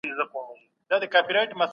هر انسان غواړي ښه راتلونکی ولري.